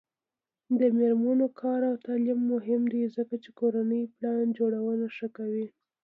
د میرمنو کار او تعلیم مهم دی ځکه چې کورنۍ پلان جوړونه ښه کوي.